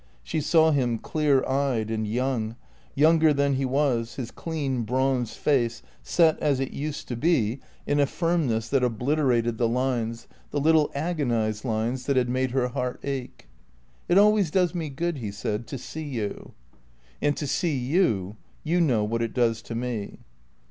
She saw him clear eyed and young, younger than he was, his clean, bronzed face set, as it used to be, in a firmness that obliterated the lines, the little agonized lines, that had made her heart ache. "It always does me good," he said, "to see you." "And to see you you know what it does to me."